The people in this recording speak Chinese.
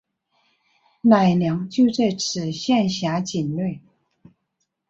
乃良就在此县辖境内。